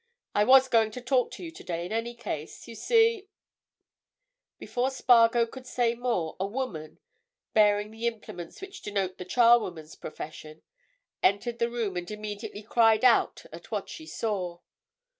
"I was going to talk to you today in any case. You see——" Before Spargo could say more a woman, bearing the implements which denote the charwoman's profession, entered the room and immediately cried out at what she saw.